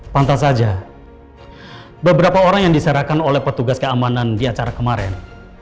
pantas saja beberapa orang yang diserahkan oleh petugas keamanan di acara kemarin